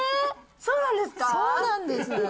そうなんです。